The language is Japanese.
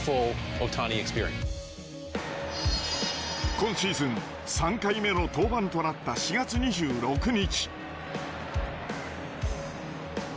今シーズン３回目の登板となった４月２６日。